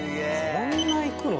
こんな行くの？